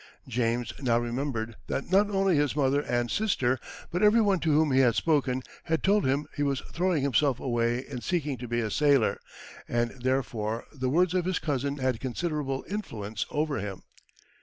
James now remembered that not only his mother and sister, but every one to whom he had spoken, had told him he was throwing himself away in seeking to be a sailor, and therefore the words of his cousin had considerable influence over him.